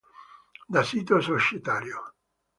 Da sito societario.